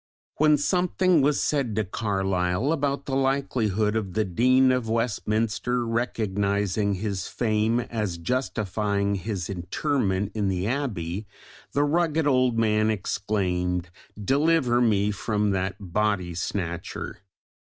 When something was said to Carlyle about the likelihood of the Dean of Westminster recognising his fame as justifying his interment in the Abbey, the rugged old man exclaimed, "Deliver me from that body snatcher."